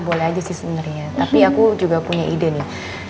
boleh aja sih sebenarnya tapi aku juga punya ide nih